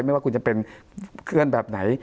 ไม่ว่าคุณจะเป็นเพื่อนแบบไหน